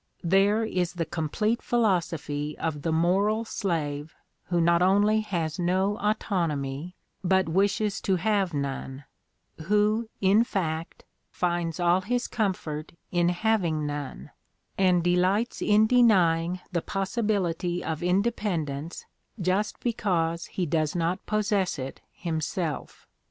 There is the complete philosophy of the moral slave who not only has no autonomy but wishes to have none, who, in fact, finds all his comfort in hav ing none, and delights in denying the possibility of independence just because he does not possess it him self.